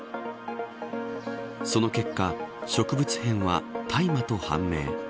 その結果、植物片は大麻と判明。